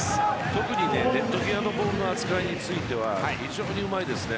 特にネット際のボールの扱いについては非常にうまいですね。